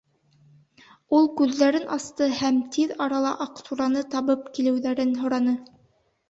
Ул күҙҙәрен асты һәм тиҙ арала Аҡсураны табып килеүҙәрен һораны.